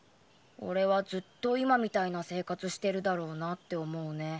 俺はずっと今みたいな生活してるだろうなって思うね。